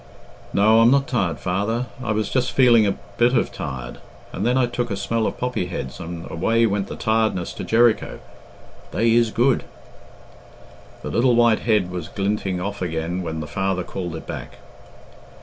"No, I'm not tired, father. I was just feeling a bit of tired, and then I took a smell of poppy heads and away went the tiredness to Jericho. They is good." The little white head was glinting off again when the father called it back.